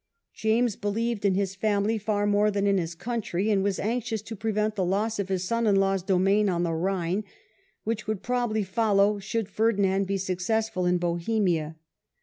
James believed in his family far more than in his country, and was anxious to prevent the loss of his son in law's domain on the Rhine, which would probably follow should Ferdinand be successful in Bohemia.